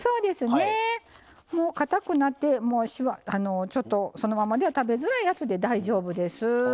かたくなってちょっとそのままでは食べづらいやつで大丈夫です。